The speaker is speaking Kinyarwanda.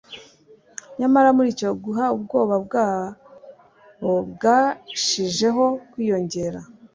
Nyamara muri icyo gule ubwoba bwabo bwamshijeho kwiyongera,